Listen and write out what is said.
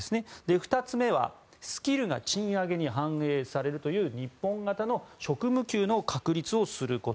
２つ目はスキルが賃上げに反映されるという日本型の職務給の確立をすること。